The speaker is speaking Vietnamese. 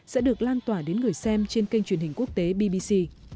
sẽ được lan tỏa đến người xem trên kênh truyền hình quốc tế bbc